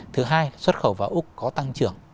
thứ hai xuất khẩu vào úc có tăng trưởng